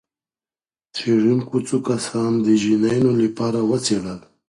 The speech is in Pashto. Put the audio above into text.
څېړونکو څو کسان د جینونو لپاره وڅېړل.